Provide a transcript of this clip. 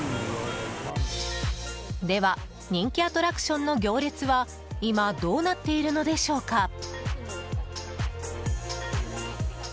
では人気アトラクションの行列は今どうなっているのでしょうか。